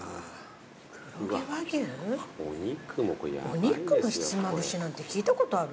お肉のひつまぶしなんて聞いたことある？